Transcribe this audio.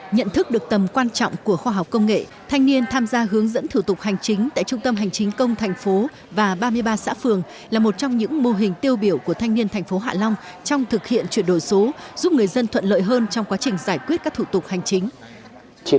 nhận thức được tầm quan trọng của khoa học công nghệ thanh niên tham gia hướng dẫn thủ tục hành chính tại trung tâm hành chính công thành phố và ba mươi ba xã phường là một trong những mô hình tiêu biểu của thanh niên thành phố hạ long trong thực hiện chuyển đổi số giúp người dân thuận lợi hơn trong quá trình giải quyết các thủ tục hành chính